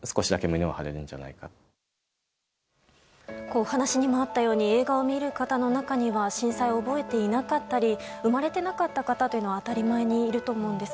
お話にもあったように映画を見る方の中には震災を覚えていなかったり生まれていなかったという方は当たり前にいると思うんです。